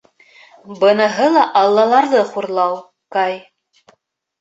Быныһы ла Аллаларҙы хурлау, Кай.